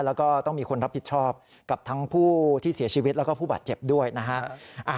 แล้วก็ต้องมีคนรับผิดชอบกับทั้งผู้ที่เสียชีวิตแล้วก็ผู้บาดเจ็บด้วยนะฮะ